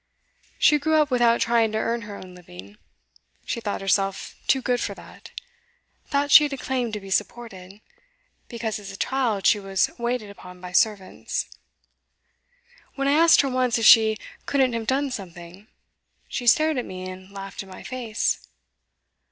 She grew up without trying to earn her own living; she thought herself too good for that, thought she had a claim to be supported, because as a child she was waited upon by servants. When I asked her once if she couldn't have done something, she stared at me and laughed in my face.